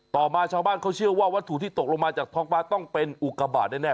ต่อมาชาวบ้านเขาเชื่อว่าวัตถุที่ตกลงมาจากท้องฟ้าต้องเป็นอุกาบาทแน่